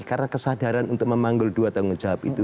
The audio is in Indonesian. karena kesadaran untuk memanggil dua tanggung jawab itu